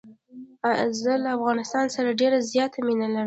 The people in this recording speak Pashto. زه له افغانستان سره ډېره زیاته مینه لرم.